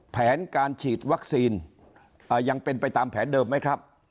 แผนการฉีดวัคซีนยังเป็นไปตามแผนเดิมไหมครับ